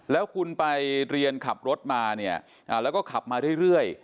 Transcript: แล้วคุณไปเรียนขับรถมาเนี่ยแล้วก็ขับมาเรื่อย